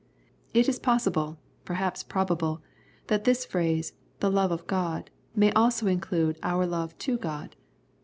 It is possible, perhaps probable, that this phrase, " the love of God," may also include our love to God.